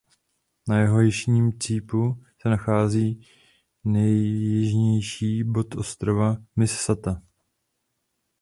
Na jeho jižním cípu se nachází nejjižnější bod ostrova mys Sata.